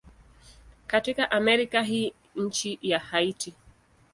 Katika Amerika ni nchi ya Haiti.